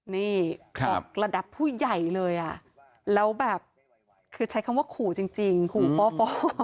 นี่บอกระดับผู้ใหญ่เลยอ่ะแล้วแบบคือใช้คำว่าขู่จริงขู่ฟ่อ